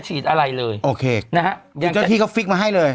อีกทีก็ฟิกมาให้เลย